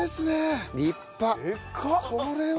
これは！